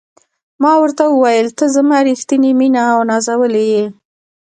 ما ورته وویل: ته زما ریښتینې مینه او نازولې یې.